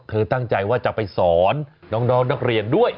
ตั้งใจว่าจะไปสอนน้องนักเรียนด้วย